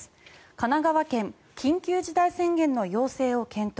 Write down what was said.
神奈川県緊急事態宣言の要請を検討